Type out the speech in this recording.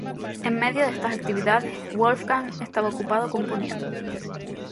En medio de estas actividades, Wolfgang estaba ocupado componiendo.